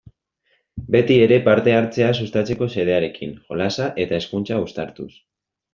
Beti ere parte-hartzea sustatzeko xedearekin, jolasa eta hezkuntza uztartuz.